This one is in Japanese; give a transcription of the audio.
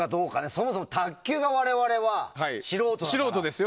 そもそも卓球が我々は素人だから。